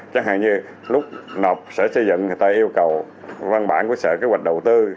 chẳng hạn như lúc nộp sở xây dựng người ta yêu cầu văn bản của sở kế hoạch đầu tư